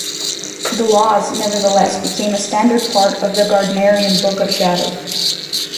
The Laws nevertheless became a standard part of the Gardnerian Book of Shadows.